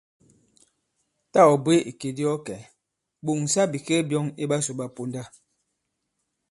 Tâ ɔ̀ bwě ìkè di ɔ kɛ̀, ɓòŋsa bìkek byɔ̄ŋ i ɓasū ɓa ponda.